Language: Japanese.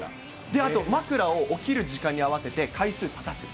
で、あと、枕を起きる時間に合わせて、回数たたく。